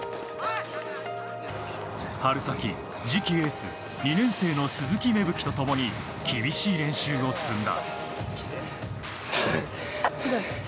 春先、次期エース２年生の鈴木芽吹と共に厳しい練習を積んだ。